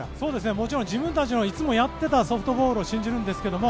もちろん自分たちのいつもやっていたソフトボールを信じるんですけれども。